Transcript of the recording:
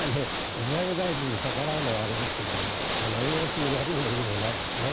財務大臣に逆らうのはあれですけど円安にいいも悪いもないですね。